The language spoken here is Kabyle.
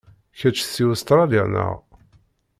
Kečč si Ustṛalya, neɣ?